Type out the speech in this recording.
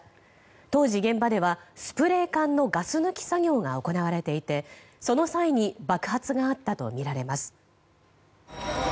当時、現場ではスプレー缶のガス抜き作業が行われていてその際に爆発があったとみられます。